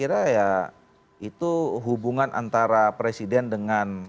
jadi saya kira ya itu hubungan antara presiden dengan pak erlangga